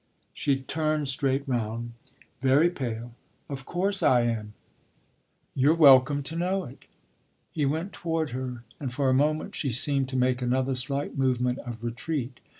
She turned straight round, very pale. "Of course I am. You're welcome to know it." He went toward her, and for a moment she seemed to make another slight movement of retreat.